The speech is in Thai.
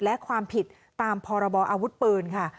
และความผิดตามพรบอทพค่ะ